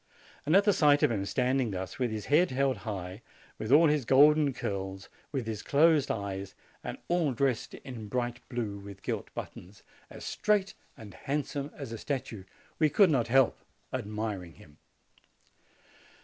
And at the sight of him stand ing thus, with his head held high, with all his golden curls, with his closed eyes, and all dressed in bright FUNERAL OF VICTOR EMANUEL 93 blue with gilt buttons, as straight and handsome as a statue, we could not help admiring him.